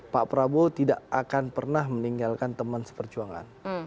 pak prabowo tidak akan pernah meninggalkan teman seperjuangan